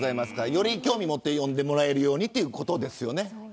より興味を持って読んでもらえるようにということですよね。